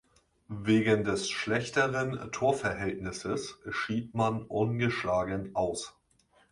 Wegen des schlechteren Torverhältnisses schied man ungeschlagen aus.